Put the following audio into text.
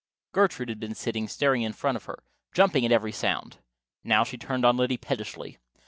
Gertrude had been sitting staring in front of her, jumping at every sound. Now she turned on Liddy pettishly.